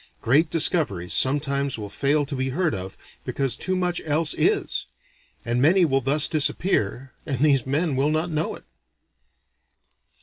Great discoveries sometimes will fail to be heard of, because too much else is; and many will thus disappear, and these men will not know it."